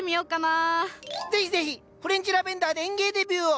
是非是非フレンチラベンダーで園芸デビューを！